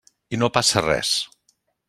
I no passa res.